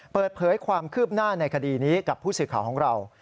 เปิดเผยความคืบหน้าในคดีนี้กับผู้สื่อข่าวของเรา